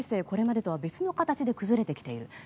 これまでとは別の形で崩れてきている。